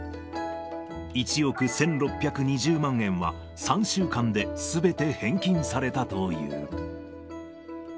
１億１６２０万円は、３週間ですべて返金されたという。